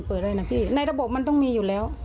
แต่เปิดสมุทรเลยนะพี่ในระบบมันต้องมีอยู่แล้ว